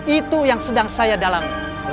itu yang sedang saya dalami